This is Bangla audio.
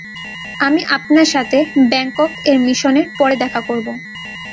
আমি আপনার সাথে ব্যাংকক এর মিশনের পরে দেখা করব।